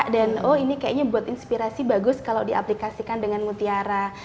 dan oh ini kayaknya buat inspirasi bagus kalau diaplikasikan dengan mutiara